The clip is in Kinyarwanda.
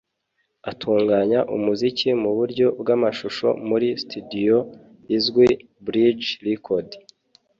Atunganya umuziki mu buryo bw’amashusho muri Studio izwi Bridge Record